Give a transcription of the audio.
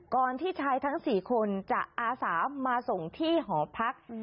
ที่ชายทั้ง๔คนจะอาสามาส่งที่หอพัก